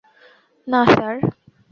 না, স্যার।